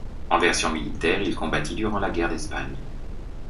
En version militaire, il combattit durant la Guerre d'Espagne.